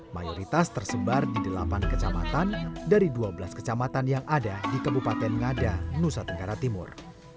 mayoritas tersebar di delapan kecamatan dari dua belas kecamatan yang ada di kabupaten ngada nusa tenggara timur